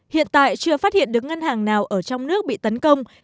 hiện tại chưa phát hiện được ngân hàng nào ở trong nước bị tấn công